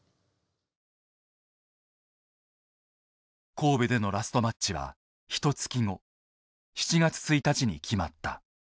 神戸でのラストマッチはひとつき後７月１日に決まった。